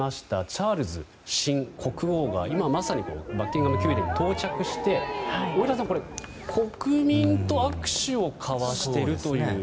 チャールズ新国王が今まさにバッキンガム宮殿に到着して、大平さん国民と握手を交わしていますね。